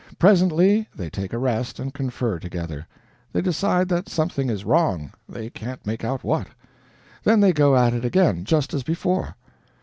Presently they take a rest and confer together. They decide that something is wrong, they can't make out what. Then they go at it again, just as before.